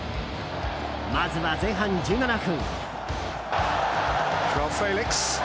まずは前半１７分。